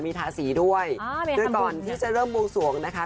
มีทาสีด้วยโดยก่อนที่จะเริ่มบวงสวงนะคะ